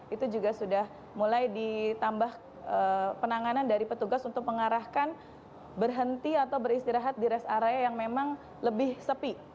itu juga sudah mulai ditambah penanganan dari petugas untuk mengarahkan berhenti atau beristirahat di rest area yang memang lebih sepi